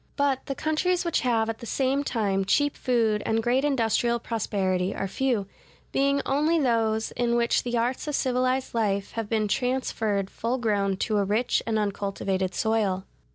But the countries which have at the same time cheap food and great industrial prosperity are few, being only those in which the arts of civilized life have been transferred full grown to a rich and uncultivated soil.